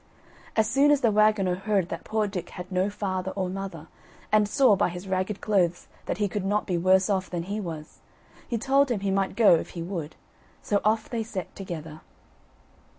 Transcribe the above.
As soon as the waggoner heard that poor Dick had no father or mother, and saw by his ragged clothes that he could not be worse off than he was, he told him he might go if he would, so off they set together.